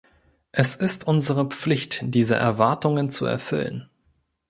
Es ist unsere Pflicht, diese Erwartungen zu erfüllen.